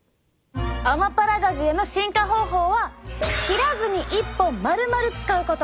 アマパラガジュへの進化方法は切らずに１本まるまる使うこと。